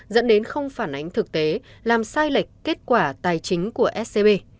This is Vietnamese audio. dẫn đến không phản ánh thực tế làm sai lệch kết quả tài chính của scb